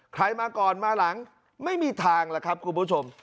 ใครมาก่อนมาหลังไม่มีทางแล้วครับคุณผู้ชม